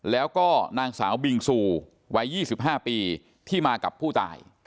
แล้วก็นางสาวบิงซูวัย๒๕ปีที่มากับผู้ตาย